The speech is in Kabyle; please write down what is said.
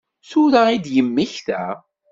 Tura i d-yemmekta?